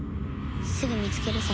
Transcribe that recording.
すぐ見つけるさ。